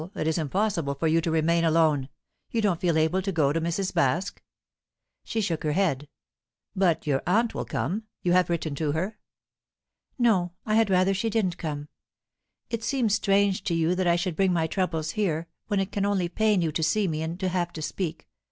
It is impossible for you to remain alone. You don't feel able to go to Mrs. Baske?" She shook her head. "But your aunt will come? You have written to her?" "No. I had rather she didn't come. It seems strange to you that I should bring my troubles here, when it can only pain you to see me, and to have to speak.